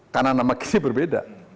karena nama kini berbeda